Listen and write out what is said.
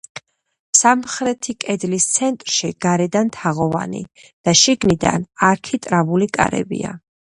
სამხრეთი კედლის ცენტრში გარედან თაღოვანი და შიგნიდან არქიტრავული კარებია.